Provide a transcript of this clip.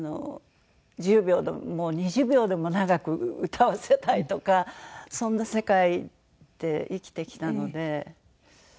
１０秒でも２０秒でも長く歌わせたいとかそんな世界で生きてきたので。